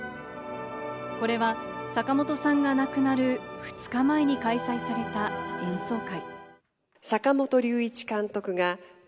これは坂本さんが亡くなる２日前に開催された演奏会。